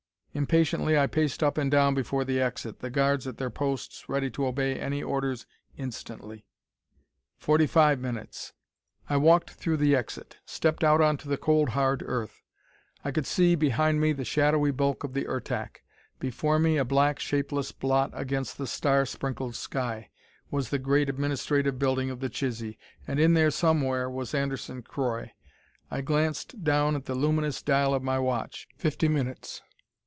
Impatiently I paced up and down before the exit, the guards at their posts, ready to obey any orders instantly. Forty five minutes. I walked through the exit; stepped out onto the cold, hard earth. I could see, behind me, the shadowy bulk of the Ertak. Before me, a black, shapeless blot against the star sprinkled sky, was the great administrative building of the Chisee. And in there, somewhere, was Anderson Croy. I glanced down at the luminous dial of my watch. Fifty minutes.